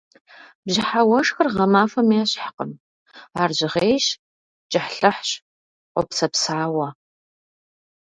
Бжьыхьэ уэшхыр гъэмахуэм ещхькъым, ар жьгъейщ, кӏыхьлӏыхьщ, къопсэпсауэ.